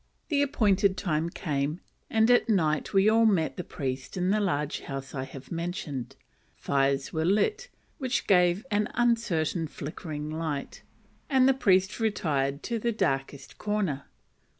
The appointed time came, and at night we all met the priest in the large house I have mentioned. Fires were lit, which gave an uncertain flickering light, and the priest retired to the darkest corner.